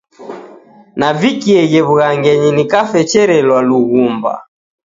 Navikieghe wughangenyi nikafecherelwa lughumba.